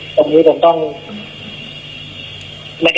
คนเห็นเรื่องเหลางว่าอาจร